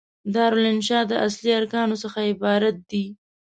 دارالانشأ د اصلي ارکانو څخه عبارت دي.